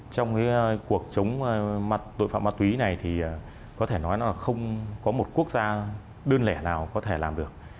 trong cái cuộc chống tội phạm ma túy này thì có thể nói là không có một quốc gia đơn lẻ nào có thể làm được